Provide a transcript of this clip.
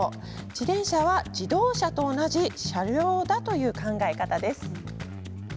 自転車は自動車と同じ車両だという考え方です。